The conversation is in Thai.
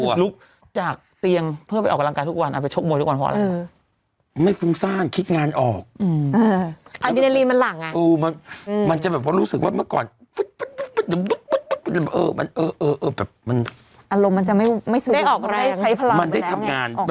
คนเราเมื่ออายุเยอะขึ้นมันก็จะออกกำลังกายหนักขึ้นน